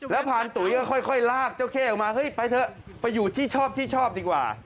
แล้วพานตุ๋ยก็ค่อยลากเจ้าเข้ออกมาเฮ้ยไปเถอะไปอยู่ที่ชอบที่ชอบดีกว่า